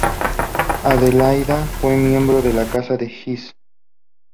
Adelaida fue miembro de la Casa de Hesse.